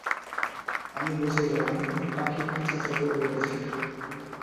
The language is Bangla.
আমি বুঝে গেলাম পাখি খাঁচা ছেড়ে উড়ে গেছে।